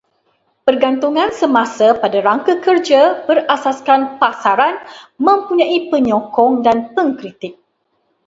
Pergantungan semasa pada rangka kerja berasaskan pasaran mempunyai penyokong dan pengkritik